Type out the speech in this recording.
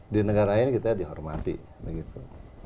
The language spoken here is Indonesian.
di negara lain kita dihormati begitu